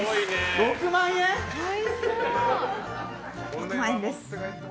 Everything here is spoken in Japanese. ６万円です。